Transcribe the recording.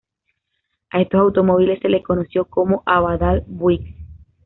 A estos automóviles se les conoció como Abadal-Buicks.